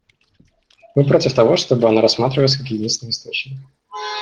Мы против того, чтобы она рассматривалась как единственный источник.